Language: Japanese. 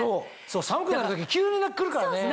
寒くなる時急に来るからね。